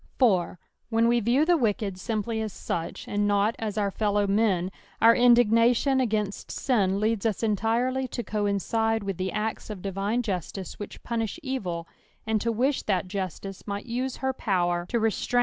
4. Wlien we view the wicked simply as aucb, snd not as our fellow mcn, our indisoBtion against sin leads us entirely to coincide with the acta of divine JDstice which punish evil, and to wish that justice might nae her power to ,glc 24 ETP06IT10KS OF THE P8ALVS.